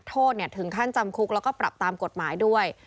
โทษถึงขั้นจำคุกแล้วก็ปรับตามกฎหมายด้วย